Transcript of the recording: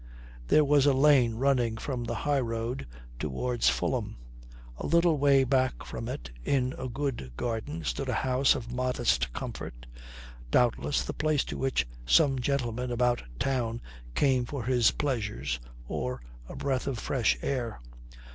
There was a lane running from the high road towards Fulham. A little way back from it, in a good garden, stood a house of modest comfort, doubtless the place to which some gentleman about town came for his pleasures or a breath of fresh air.